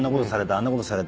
あんなことされた。